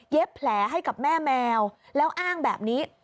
แผลให้กับแม่แมวแล้วอ้างแบบนี้